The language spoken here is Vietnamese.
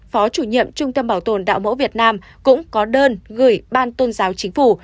phó chủ nhiệm trung tâm bảo tồn đạo mẫu việt nam cũng có đơn gửi ban tôn giáo chính phủ